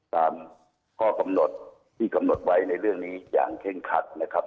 ตามข้อกำหนดที่กำหนดไว้ในเรื่องนี้อย่างเคร่งคัดนะครับ